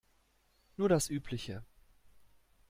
Nur das Übliche.